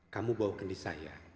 kamu bawakan di saya